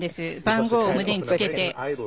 番号を胸につけて。